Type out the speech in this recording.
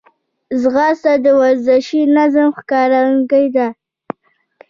ځغاسته د ورزشي نظم ښکارندوی ده